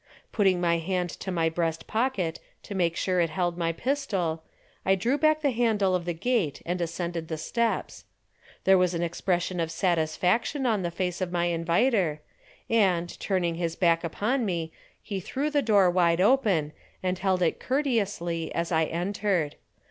Putting my hand to my breast pocket to make sure it held my pistol, I drew back the handle of the gate and ascended the steps. There was an expression of satisfaction on the face of my inviter, and, turning his back upon me he threw the door wide open and held it courteously as I entered.